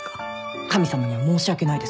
神様には申し訳ないですけど。